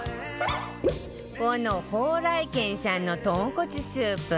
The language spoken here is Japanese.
この宝来軒さんの豚骨スープ